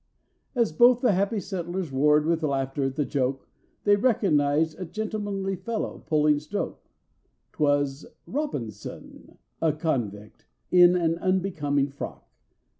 As both the happy settlers roared with laughter at the joke, They recognized a gentlemanly fellow pulling stroke: 'Twas ROBINSON—a convict, in an unbecoming frock!